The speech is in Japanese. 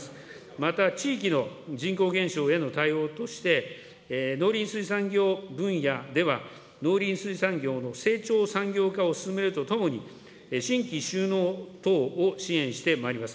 また、地域の人口減少への対応として、農林水産業分野では、農林水産業の成長産業化を進めるとともに、新規就農等を支援してまいります。